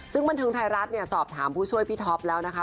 ซึ่งบันเทิงไทยรัฐเนี่ยสอบถามผู้ช่วยพี่ท็อปแล้วนะคะ